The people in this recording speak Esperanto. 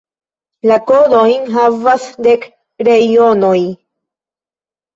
La kodojn havas dek reionoj.